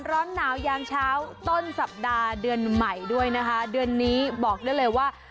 ร้อนหนาวยามเช้าต้นสัปดาห์เดือนใหม่ด้วยนะคะเดือนนี้บอกได้เลยว่า